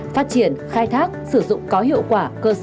phát triển khai thác sử dụng có hiệu quả